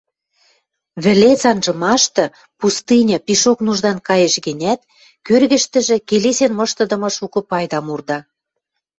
Вӹлец анжымашты пустыня пишок нуждан каеш гӹнят, кӧргӹштӹжӹ келесен мыштыдымы шукы пайдам урда.